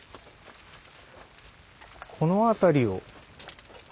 この辺りを。